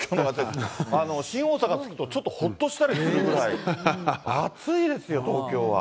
新大阪に着くとちょっとほっとしたりするぐらい、暑いですよ、東京は。